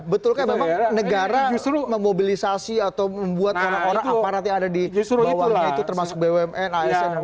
betul kan memang negara memobilisasi atau membuat orang orang aparatnya ada di bawahnya itu termasuk bumn asn